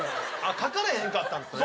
描かれへんかったんですね。